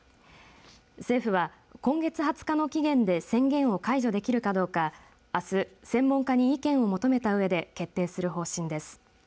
政府は、今月２０日の期限で宣言を解除できるかどうかあす専門家に意見を求めたうえで決定する方針です。